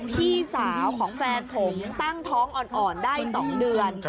พี่สาวของแฟนผมตั้งท้องอ่อนได้๒เดือน